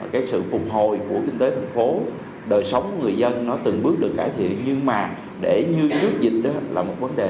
cái sự phục hồi của kinh tế thành phố đời sống người dân nó từng bước được cải thiện nhưng mà để như trước dịch đó là một vấn đề